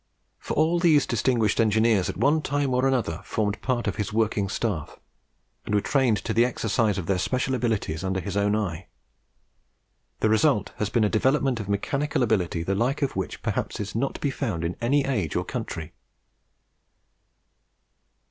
For all these distinguished engineers at one time or another formed part of his working staff, and were trained to the exercise of their special abilities under his own eye. The result has been a development of mechanical ability the like of which perhaps is not to be found in any age or country.